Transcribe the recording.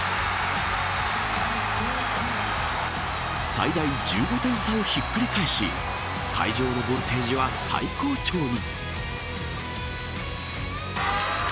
最大１５点差をひっくり返し会場のボルテージは最高潮に。